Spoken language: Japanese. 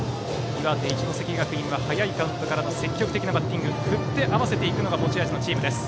岩手・一関学院は早いカウントからの積極的なバッティング振って合わせていくのが持ち味のチームです。